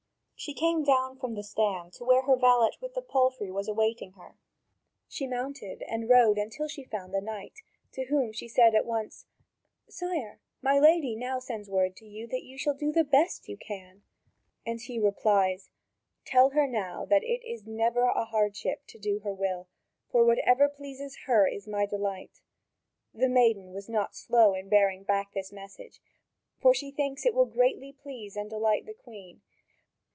She came down from the stand to where her valet with the palfrey was awaiting her. She mounted and rode until she found the knight, to whom she said at once: "Sire, my lady now sends word that you shall do the 'best' you can!" And he replies: "Tell her now that it is never a hardship to do her will, for whatever pleases her is my delight." The maiden was not slow in bearing back this message, for she thinks it will greatly please and delight the Queen.